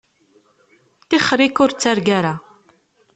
Tixeṛ-ik ur ttargu ara.